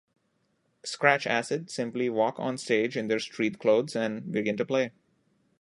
Scratch Acid simply walk on stage in their street clothes and begin to play.